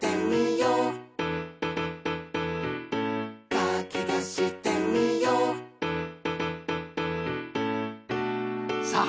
「かきたしてみよう」さあ！